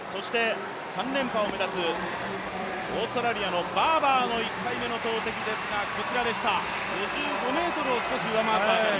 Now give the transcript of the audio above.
３連覇を目指すオーストラリアのバーバーの１回目の投てきですが５５ｍを少し上回った辺り。